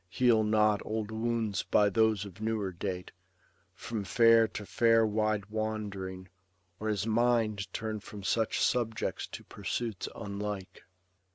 Heal not old wounds by those of newer date. From fair to fair wide wand'ring, or his mind Turn from such subjects to pursuits unlike.